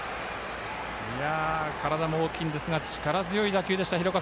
体も大きいんですが力強い打球でした。